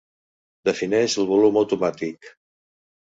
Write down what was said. Defineix el volum automàtic.